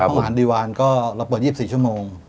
อาหารดีวานก็เราเปิด๒๔ชั่วโมง